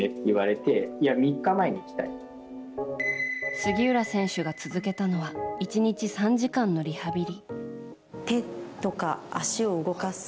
杉浦選手が続けたのは１日３時間のリハビリ。